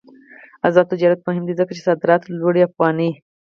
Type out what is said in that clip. آزاد تجارت مهم دی ځکه چې صادرات لوړوي افغاني.